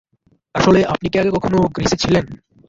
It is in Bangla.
আসলে, আপনি কি আগে কখনো গ্রিসে ছিলেন?